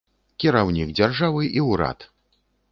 Кіраўнік дзяржавы і ўрад!